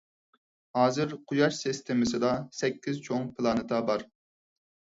ھازىر قۇياش سىستېمىسىدا سەككىز چوڭ پىلانېتا بار.